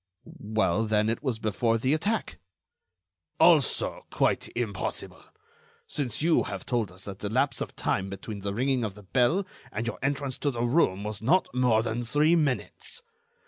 "Well, then, it was before the attack." "Also, quite impossible, since you have told us that the lapse of time between the ringing of the bell and your entrance to the room was not more than three minutes.